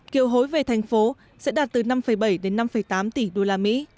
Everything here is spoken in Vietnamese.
kiêu hối về thành phố sẽ đạt từ năm bảy đến năm tám tỷ usd